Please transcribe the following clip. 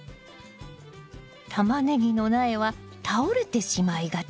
タマネギの苗は倒れてしまいがち。